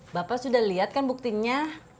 bapak sudah lihat kan buktinya